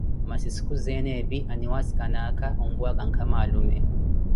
Massi sikuzeene epi, aniwaasikana aakha ompuwaka nkama alume.